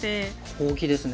大きいですね。